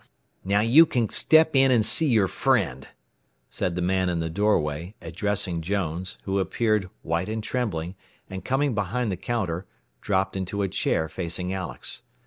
"Now you can step in and see your friend," said the man in the doorway, addressing Jones, who appeared, white and trembling, and coming behind the counter, dropped into a chair facing Alex.